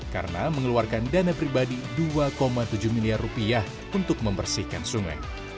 karena mengeluarkan dana pribadi dua tujuh miliar rupiah untuk membersihkan sungai